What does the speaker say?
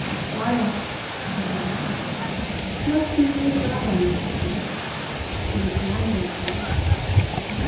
"Dry up," said Max. "You ought to be wheeled about on the snow in a perambulator."